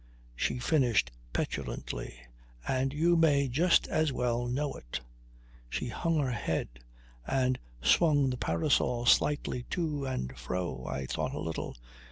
She finished petulantly: "And you may just as well know it." She hung her head and swung the parasol slightly to and fro. I thought a little.